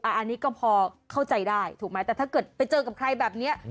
อันนี้ก็พอเข้าใจได้ถูกไหมแต่ถ้าเกิดไปเจอกับใครแบบนี้